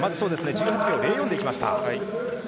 １８秒０４でいきました。